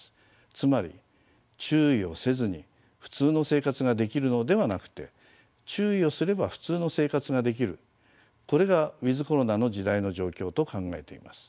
つまり「注意をせずに普通の生活ができる」のではなくて「注意をすれば普通の生活ができる」これがｗｉｔｈコロナの時代の状況と考えています。